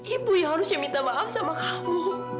ibu yang harusnya minta maaf sama kamu